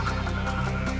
suat saya dah